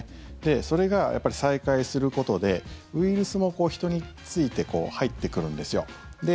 それが再開することでウイルスも人について入ってくるんですよ。